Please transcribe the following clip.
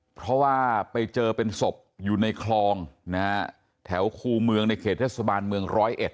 เพราะว่าไปเจอเป็นศพอยู่ในคลองนะฮะแถวคูเมืองในเขตเทศบาลเมืองร้อยเอ็ด